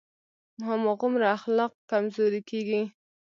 هماغومره اخلاق کمزوری کېږي.